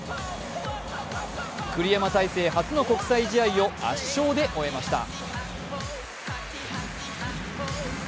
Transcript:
栗山体制初の国際試合を圧勝で終えました。